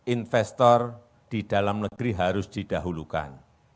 investor di dalam negeri harus didahulukan